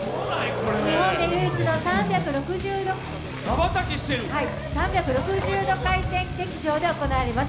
日本で唯一の３６０度回転劇場で行われます。